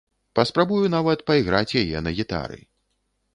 Паспрабую нават пайграць яе на гітары.